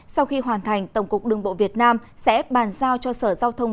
sau khi hoàn thành tổng cục đường bộ việt nam sẽ bàn giao cho sở giao thông